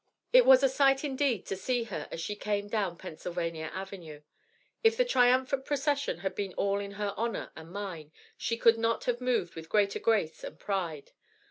It was a sight indeed to see her as she came down Pennsylvania Avenue. If the triumphant procession had been all in her honor and mine, she could not have moved with greater grace and pride.